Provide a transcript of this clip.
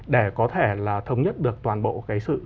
để có thể là thống nhất được toàn bộ cái sự